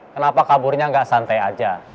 kenapa kaburnya nggak santai aja